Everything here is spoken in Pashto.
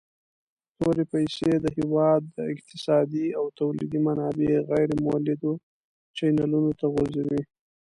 تورې پیسي د هیواد اقتصادي او تولیدي منابع غیر مولدو چینلونو ته غورځوي.